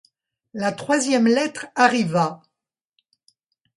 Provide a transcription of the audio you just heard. La troisième lettre arriva.